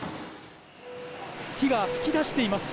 火が噴き出しています！